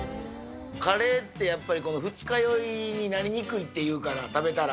カレーってやっぱり、二日酔いになりにくいっていうから、食べたら。